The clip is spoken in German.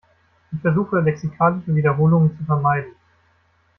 Ich versuche, lexikalische Wiederholungen zu vermeiden.